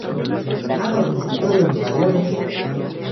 Ha participado en variados Shows.